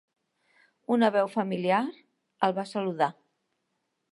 Una veu familiar el va saludar.